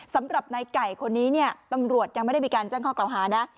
สำหรับในไก่คนนี้เนี่ยตำรวจยังไม่ได้มีการแจ้งข้อกล่าวหานะ